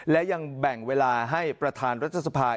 และยังแบ่งเวลาให้ประธานรัฐสภา